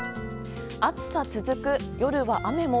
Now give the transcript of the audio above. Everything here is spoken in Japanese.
暑さ続く、夜は雨も。